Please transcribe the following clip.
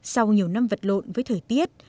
sau nhiều năm vật lộn với thời tiết